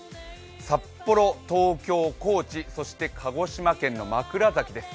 札幌、東京、高知、そして鹿児島県の枕崎です。